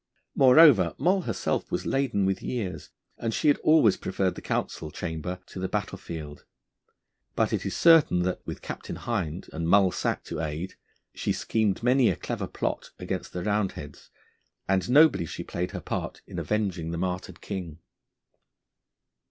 Moreover, Moll herself was laden with years, and she had always preferred the council chamber to the battlefield. But it is certain that, with Captain Hind and Mull Sack to aid, she schemed many a clever plot against the Roundheads, and nobly she played her part in avenging the martyred King.